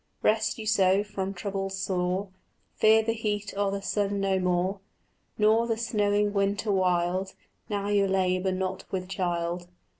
"Rest you so from trouble sore, Fear the heat o' the sun no more, Nor the snowing winter wild, Now you labour not with child."